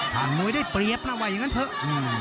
ทางมวยได้เปรียบนะว่ายังงั้นเถอะ